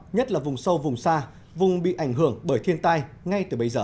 nhất là vùng sâu vùng xa vùng bị ảnh hưởng bởi thiên tai ngay từ bây giờ